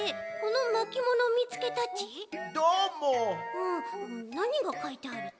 うんなにがかいてあるち？